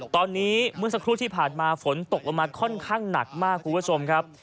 ตอนนี้เมื่อสักครู่ที่ผ่านมาฝนตกลงมาค่อนข้างหนักมากคุณผู้ชมครับ